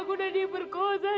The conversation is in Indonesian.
gue udah diperkosa